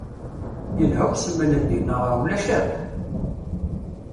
Yelha usmel-nni neɣ ulac akk?